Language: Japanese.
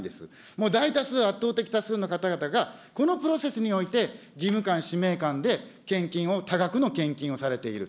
もう大多数、圧倒的多数の方々が、このプロセスにおいて、義務感、使命感で献金を、多額の献金をされている。